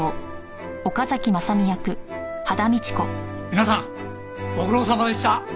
皆さんご苦労さまでした。